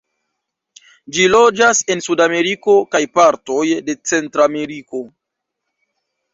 Ĝi loĝas en Sudameriko, kaj partoj de Centrameriko.